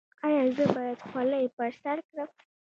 ایا زه باید خولۍ په سر کړم؟